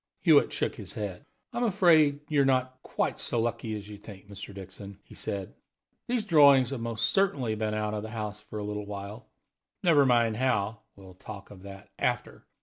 Hewitt shook his head. "I'm afraid you're not quite so lucky as you think, Mr. Dixon," he said. "These drawings have most certainly been out of the house for a little while. Never mind how we'll talk of that after.